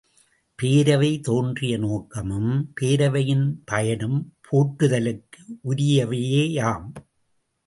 பேரவை தோன்றிய நோக்கமும் பேரவையின் பயனும் போற்றுதலுக்கு உரியவையேயாம்.